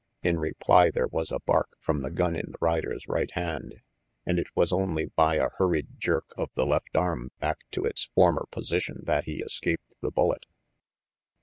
In reply there was a bark from the gun in the rider's right hand, and it was only by a hurried jerk of the left arm back to its former position that he escaped the bullet.